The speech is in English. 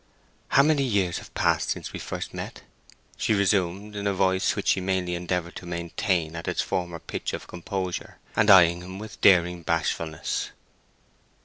"How many years have passed since first we met!" she resumed, in a voice which she mainly endeavored to maintain at its former pitch of composure, and eying him with daring bashfulness.